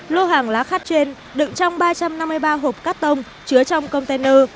lô hàng lá khát trên đựng trong ba trăm năm mươi ba hộp cắt tông chứa trong container